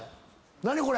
何これ？